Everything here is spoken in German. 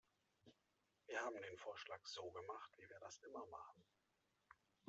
Wir haben den Vorschlag so gemacht, wie wir das immer machen.